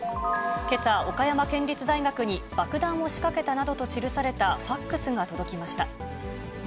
けさ、岡山県立大学に、爆弾を仕掛けたなどと記されたファックスが届きました。